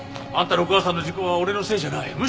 あんたのお母さんの事故は俺のせいじゃない。